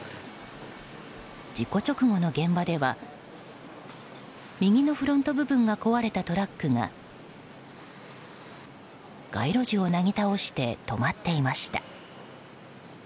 事故直後の現場では右のフロント部分が壊れたトラックが街路樹をなぎ倒して止まっていました。